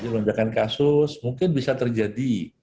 lonjakan kasus mungkin bisa terjadi